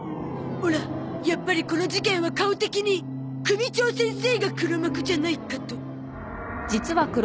オラやっぱりこの事件は顔的に組長先生が黒幕じゃないかと。